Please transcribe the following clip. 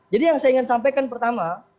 jadi yang saya ingin sampaikan pertama